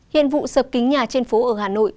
hiện vụ sập kính nhà trên phố ở hà nội